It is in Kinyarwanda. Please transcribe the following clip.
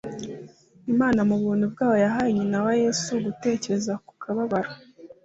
Imana mu buntu bwayo yahaye nyina wa Yesu gutekereza ku kababaro